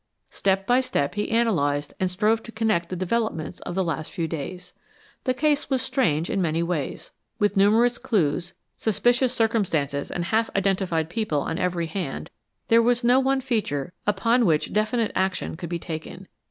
Step by step he analyzed and strove to connect the developments of the last few days. The case was strange in many ways. With numerous clues, suspicions circumstances and half identified people on every hand, there was no one feature upon which definite action could be taken.